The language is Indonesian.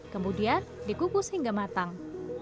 kemudian dikukus hingga matang